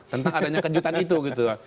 tentang adanya kejutan itu gitu